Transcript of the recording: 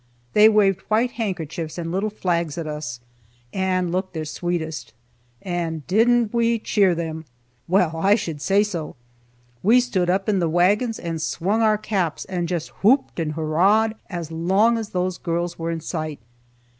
They waved white handkerchiefs and little flags at us, and looked their sweetest. And didn't we cheer them! Well, I should say so. We stood up in the wagons, and swung our caps, and just whooped and hurrahed as long as those girls were in sight.